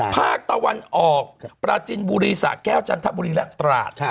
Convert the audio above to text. ภาคตะวันออกปราจินบุรีสะแก้วจันทบุรีและตราด